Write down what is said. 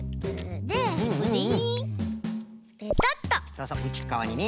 そうそううちっかわにね。